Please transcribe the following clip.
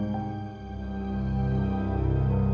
mama gak mau berhenti